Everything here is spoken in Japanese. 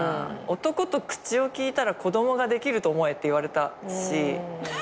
「男と口を利いたら子供ができると思え」って言われたし監督に。